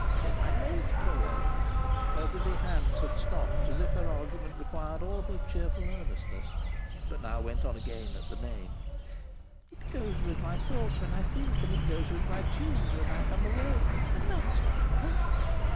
Then my lace pillow;" her busy hands had stopped, as if her argument required all her cheerful earnestness, but now went on again at the name; "it goes with my thoughts when I think, and it goes with my tunes when I hum any, and that's not work.